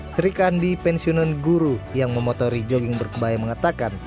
sri kandi pensiunan guru yang memotori jogging berkebaya mengatakan